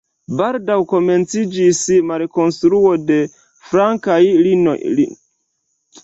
Baldaŭ komenciĝis malkonstruo de flankaj linioj.